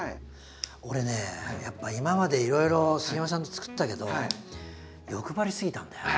俺ねやっぱ今までいろいろ杉山さんとつくったけど欲張りすぎたんだよな。